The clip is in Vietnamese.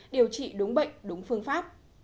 điều trị đúng bệnh đúng phương pháp